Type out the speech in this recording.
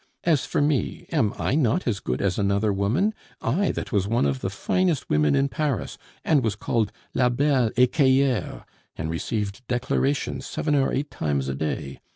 As for me, am I not as good as another woman, I that was one of the finest women in Paris, and was called La belle Ecaillere, and received declarations seven or eight times a day?